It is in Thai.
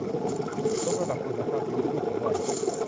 ยกระดับคุณภาพชีวิตผู้สูงวัย